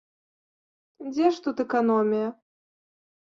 Дзе ж тут эканомія?